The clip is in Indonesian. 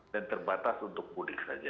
dan terbatas untuk mudik saja